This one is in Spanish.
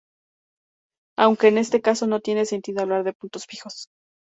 Aunque en este caso no tiene sentido hablar de puntos fijos.